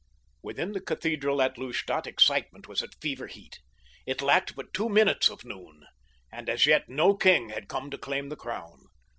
Within the cathedral at Lustadt excitement was at fever heat. It lacked but two minutes of noon, and as yet no king had come to claim the crown.